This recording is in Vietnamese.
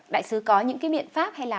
đại sứ có những cái miệng pháp hay là